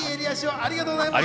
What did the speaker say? ありがとうございます。